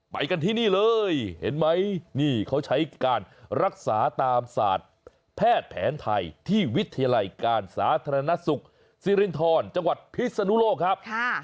ไปกันที่นี่เลยเห็นไหมนี่เขาใช้การรักษาตามศาสตร์แพทย์แผนไทยที่วิทยาลัยการสาธารณสุขสิรินทรจังหวัดพิศนุโลกครับ